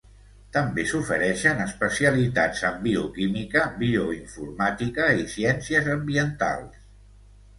També s'ofereixen especialitats en Bioquímica, Bioinformàtica i Ciències Ambientals.